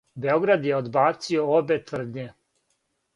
Београд је одбацио обе тврдње.